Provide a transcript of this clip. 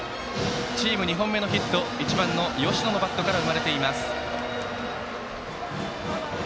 チーム２本目のヒットが１番の吉野のバットから生まれています。